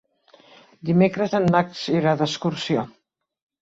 Dimecres en Max irà d'excursió.